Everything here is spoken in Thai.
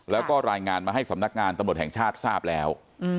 แล้วก็รายงานมาให้สำนักงานตำรวจแห่งชาติทราบแล้ว